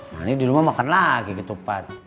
nah ini di rumah makan lagi ketupat